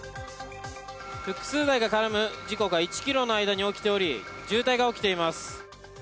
複数台が絡む事故が１ｋｍの間に起きており渋滞が起きています。